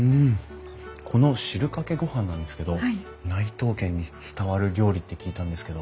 この汁かけ御飯なんですけど内藤家に伝わる料理って聞いたんですけど。